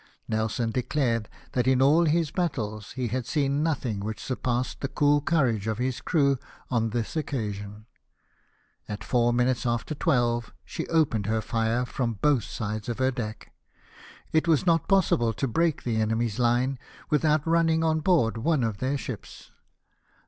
Nelson de clared that in all his battles he had seen nothing which surpassed the cool courage of his crew on this occasion. At four minutes after twelve she opened her fire from both sides of her deck. It was not possible to break the enemy's line without running on board one of their ships.